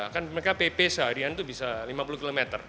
kan mereka pp seharian itu bisa lima puluh km